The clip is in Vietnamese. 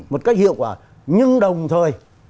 một cách hiệu quả nhưng đồng thời